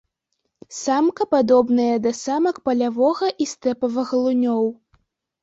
Самка падобная да самак палявога і стэпавага лунёў.